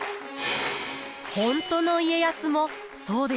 本当の家康もそうでした。